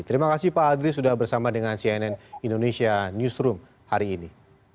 terima kasih pak adri sudah bersama dengan cnn indonesia newsroom hari ini